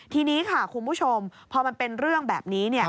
ทีนี้ค่ะคุณผู้ชมพอมันเป็นเรื่องแบบนี้